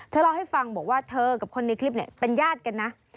เล่าให้ฟังบอกว่าเธอกับคนในคลิปเนี่ยเป็นญาติกันนะ